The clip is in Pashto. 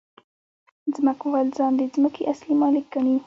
ځمکوال ځان د ځمکې اصلي مالک ګڼي